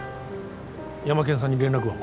ヤマケンさんに連絡は？